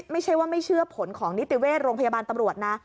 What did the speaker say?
ไม่ใช่ว่าไม่เชื่อผลของนิติเวชโรงพยาบาลตำรวจนะ